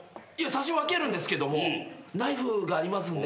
さし分けるんですけどもナイフがありますんで。